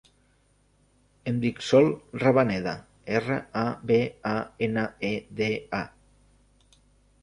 Em dic Sol Rabaneda: erra, a, be, a, ena, e, de, a.